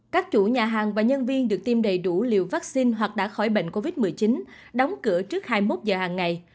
các chủ nhà hàng và nhân viên được tiêm đầy đủ liều vaccine hoặc đã khỏi bệnh covid một mươi chín đóng cửa trước hai mươi một giờ hàng ngày